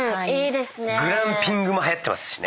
グランピングもはやってますしね。